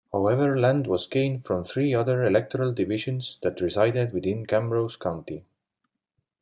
However land was gained from three other electoral divisions that resided within Camrose County.